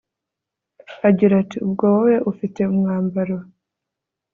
agira ati ubwo wowe ufite umwambaro